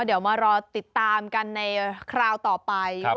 เดี๋ยวมารอติดตามกันในคราวต่อไป